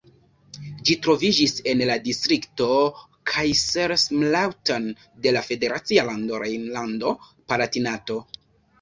Ĝi troviĝis en la distrikto Kaiserslautern de la federacia lando Rejnlando-Palatinato.